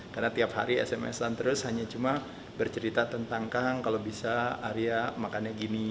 karena tiap hari sms an terus hanya cuma bercerita tentang kang kalau bisa arya makannya gini